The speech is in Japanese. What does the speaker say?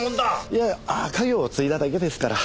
いやあっ家業を継いだだけですから。